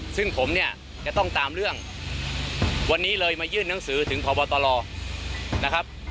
ซึ่งผมเนี่ยจะต้องตามเรื่องวันนี้เลยมายื่นหนังสือถึงพบตรนะครับ